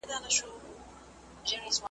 ځمه له سبا سره مېلمه به د خزان یمه ,